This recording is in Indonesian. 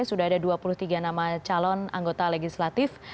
sudah ada dua puluh tiga nama calon anggota legislatif